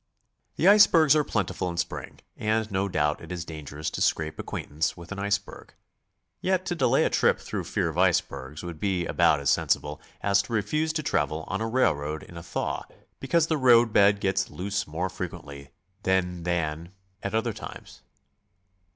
The icebergs are plentiful in spring, and no doubt it is dangerous to scrape acquaintance with an iceberg, yet to delay a trip through fear of icebergs would be about as sensible as to refuse to travel on a railroad in a thaw be cause the roadbed gets loose more frequerttly then than at other times.